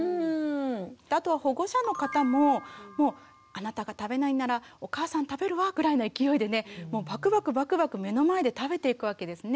あとは保護者の方もあなたが食べないならお母さん食べるわぐらいの勢いでねもうバクバクバクバク目の前で食べていくわけですね。